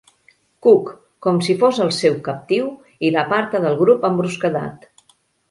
Cook, com si fos el seu captiu, i l'aparta del grup amb brusquedat.